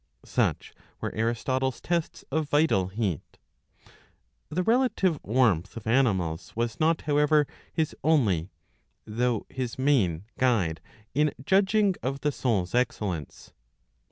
Such were Aristotle's tests of vital heat. The relative warmth of animals was not, however, his only, though his main, guide in judging of the soul's excellence.